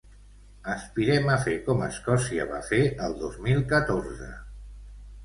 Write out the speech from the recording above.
Aspirem a fer com Escòcia va fer el dos mil catorze.